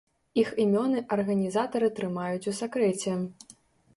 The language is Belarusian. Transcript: Іх імёны арганізатары трымаюць у сакрэце.